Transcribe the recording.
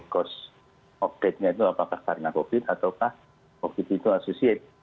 kos update nya itu apakah karena covid atau covid itu asosiat